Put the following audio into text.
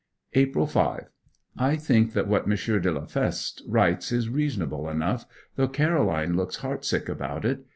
April 5. I think that what M. de la Feste writes is reasonable enough, though Caroline looks heart sick about it.